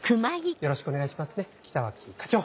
よろしくお願いしますね北脇課長。